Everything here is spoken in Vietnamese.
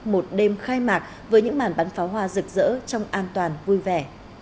một đêm khai mạc với những màn bắn pháo hoa rực rỡ trong an toàn vui vẻ